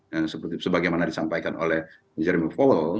dan seperti sebagaimana disampaikan oleh jeremy powell